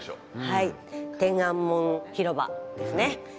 はい天安門広場ですね。